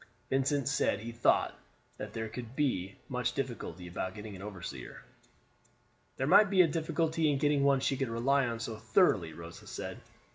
Vincent said he thought that there could not be much difficulty about getting an overseer. "There might be a difficulty in getting one she could rely on so thoroughly," Rosa said.